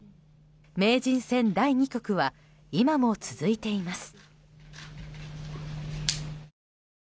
名人戦第２局は今も続いています。